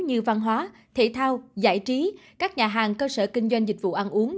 như văn hóa thể thao giải trí các nhà hàng cơ sở kinh doanh dịch vụ ăn uống